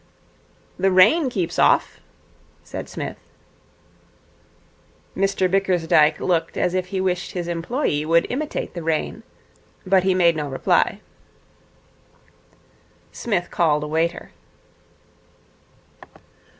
'The rain keeps off,' said Psmith. Mr Bickersdyke looked as if he wished his employee would imitate the rain, but he made no reply. Psmith called a waiter.